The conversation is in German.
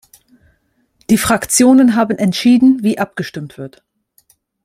Die Fraktionen haben entschieden, wie abgestimmt wird.